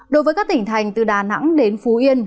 đối với các tỉnh thành từ đà nẵng đến phú yên